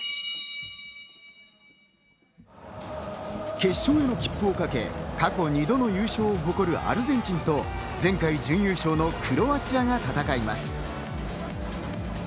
決勝の切符をかけて過去２度の優勝を誇るアルゼンチンと前回準優勝のクロアチアが戦います。